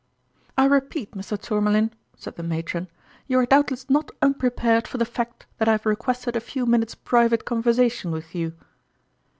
" I repeat, Mr. Tourmalin," said the matron, "you are doubtless not unprepared for the fact that I have requested a few minutes' private conversation with you